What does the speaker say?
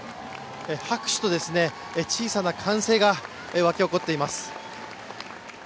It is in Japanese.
拍手と小さな歓声が沸き起こっています。